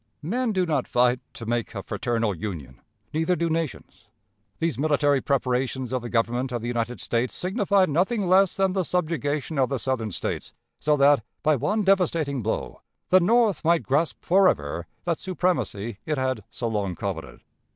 Men do not fight to make a fraternal union, neither do nations. These military preparations of the Government of the United States signified nothing less than the subjugation of the Southern States, so that, by one devastating blow, the North might grasp for ever that supremacy it had so long coveted.